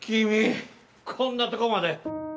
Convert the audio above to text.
こんなとこまで。